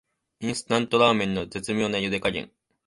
インスタントラーメンの絶妙なゆで加減